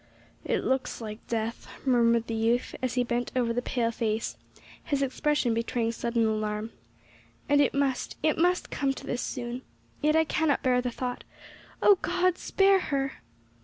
"It looks like death," murmured the youth, as he bent over the pale face, his expression betraying sudden alarm; "and it must it must come to this soon; yet I cannot bear the thought. O God, spare her!"